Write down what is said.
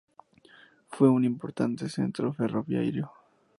Fue un importante centro ferroviario.